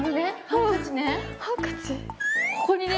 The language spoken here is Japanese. ここにね。